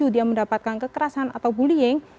dia mendapatkan kekerasan atau bullying